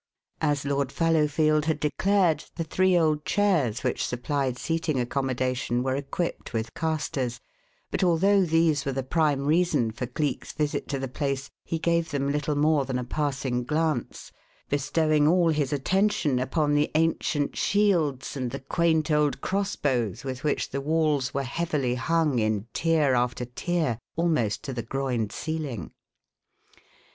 As Lord Fallowfield had declared, the three old chairs which supplied seating accommodation were equipped with casters, but although these were the prime reason for Cleek's visit to the place, he gave them little more than a passing glance, bestowing all his attention upon the ancient shields and the quaint old cross bows with which the walls were heavily hung in tier after tier almost to the groined ceiling.